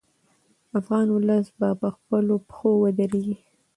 افغان ولس به په خپلو پښو ودرېږي.